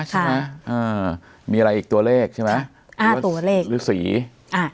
ใช่ไหมอ่ามีอะไรอีกตัวเลขใช่ไหมอ่าตัวเลขหรือสีอ่า